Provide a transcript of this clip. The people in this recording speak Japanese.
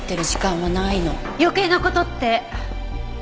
余計な事って。